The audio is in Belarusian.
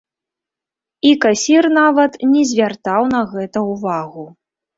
І касір нават не звяртаў на гэта ўвагу.